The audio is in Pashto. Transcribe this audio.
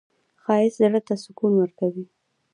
ښایست زړه ته سکون ورکوي